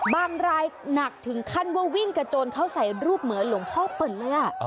บางรายหนักถึงขั้นว่าวิ่งกระโจนเขาใส่รูปเหมือนหลวงพ่อเปิ่นเลย